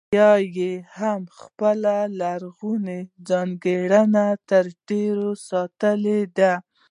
بیا یې هم خپلې لرغونې ځانګړنې تر ډېره ساتلې دي.